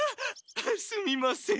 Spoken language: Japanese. すみません。